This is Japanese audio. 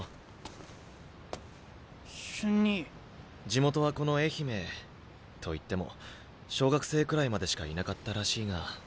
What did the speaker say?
地元はこの愛媛と言っても小学生くらいまでしかいなかったらしいが。